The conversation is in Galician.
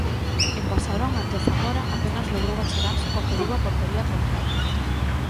En Pasarón, ante o Zamora, apenas logrou achegarse con perigo á portería contraria.